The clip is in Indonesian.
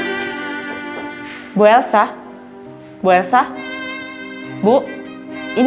tidak ada yang bisa diberikan kepadanya